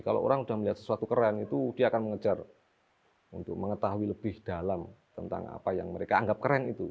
kalau orang sudah melihat sesuatu keren itu dia akan mengejar untuk mengetahui lebih dalam tentang apa yang mereka anggap keren itu